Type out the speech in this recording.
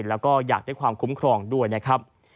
แล้วก็อยากขอคุ้มครองด้วยนะครับ